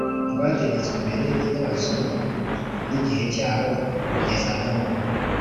rwategetswe mbere y'abazungu n'igihe cyabo kugeza nubu